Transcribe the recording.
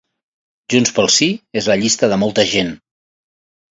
Junts pel Sí és la llista de molta gent.